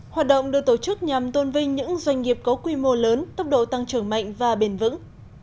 hoạt động được tổ chức nhằm tôn vinh những doanh nghiệp có quy mô lớn tốc độ tăng trưởng mạnh và bền vững